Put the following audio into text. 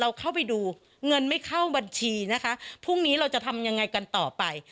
เข้าไปดูเงินไม่เข้าบัญชีนะคะพรุ่งนี้เราจะทำยังไงกันต่อไป